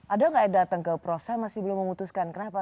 ada nggak yang datang ke prof saya masih belum memutuskan kenapa